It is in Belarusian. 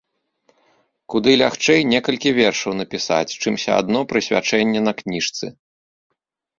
Куды лягчэй некалькі вершаў напісаць, чымся адно прысвячэнне на кніжцы.